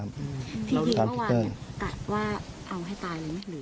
พี่ผิดมาเหมือนกันว่าเอาให้ตายหรือนี่